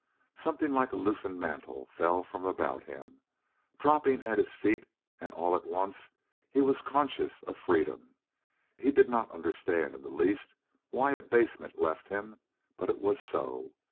Something like a loosened mantle fell from about him, dropping down at his feet; and all at once he was conscious of freedom. He did not understand in the least why abasement left him, but it was so.